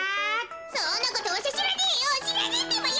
そんなことわしゃしらねえよしらねえってばよ！